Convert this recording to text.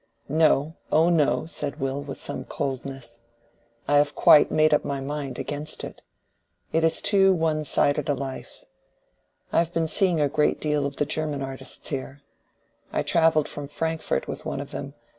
"No, oh no," said Will, with some coldness. "I have quite made up my mind against it. It is too one sided a life. I have been seeing a great deal of the German artists here: I travelled from Frankfort with one of them.